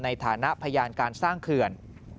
ในฐานะพยานการสร้างเขื่อน